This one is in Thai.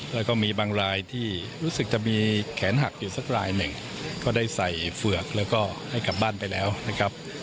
แล้วก็มีบางรายที่รู้สึกจะมีแขนหักอยู่สักรายหนึ่งก็ได้ใส่เฝือกแล้วก็ให้กลับบ้านไปแล้วนะครับ